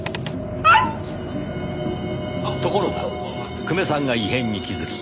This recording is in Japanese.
ところが久米さんが異変に気づき。